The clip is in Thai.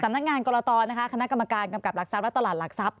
นักงานกรตนะคะคณะกรรมการกำกับหลักทรัพย์และตลาดหลักทรัพย